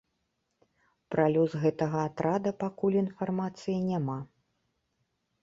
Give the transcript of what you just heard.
Пра лёс гэтага атрада пакуль інфармацыі няма.